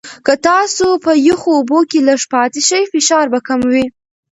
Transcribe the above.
که تاسو په یخو اوبو کې لږ پاتې شئ، فشار به کم وي.